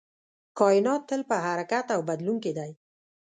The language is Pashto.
کائنات تل په حرکت او بدلون کې دی.